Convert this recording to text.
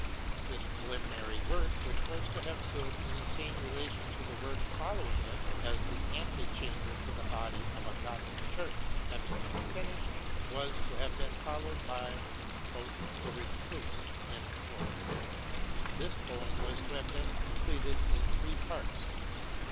This preliminary work, which was to have stood in the same relation to the work following it as the ante chamber to the body of a Gothic church, having been finished, was to have been followed by " The Recluse." This poem was to have been completed in three parts.